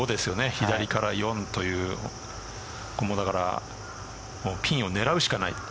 左から４というピンを狙うしかない。